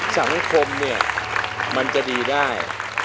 สังคมเนี่ยมันจะดีได้